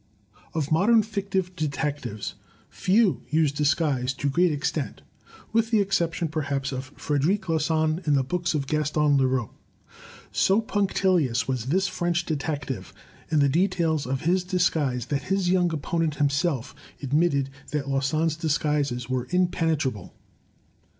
'* Of modern fictive detectives, few use disguise to great extent, with the exception perhaps of Frederic Larsan in the books of Gaston Leroux. So punctilious was this French detective in the details of his disguise, that his young op ponent himself admitted that Larsan 's disguises were impen etrable.